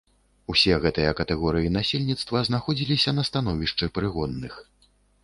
Усе гэтыя катэгорыі насельніцтва знаходзіліся на становішчы прыгонных.